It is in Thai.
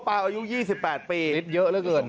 ปายอายุ๒๘ปี